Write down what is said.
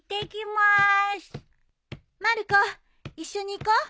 まる子一緒に行こう。